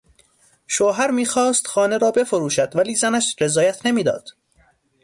شوهر میخواست خانه را بفروشد ولی زنش رضایت نمیداد.